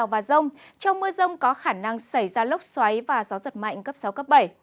và rông trong mưa rông có khả năng xảy ra lốc xoáy và gió giật mạnh cấp sáu cấp bảy